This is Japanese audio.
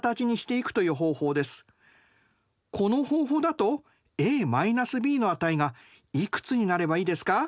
この方法だとＡ−Ｂの値がいくつになればいいですか？